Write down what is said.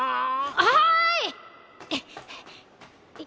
はい！